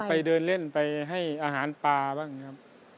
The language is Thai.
ไปเดินเล่นไปให้อาหารปลาบ้างครับ